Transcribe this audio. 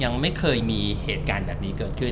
ยังไม่เคยมีเหตุการณ์แบบนี้เกิดขึ้น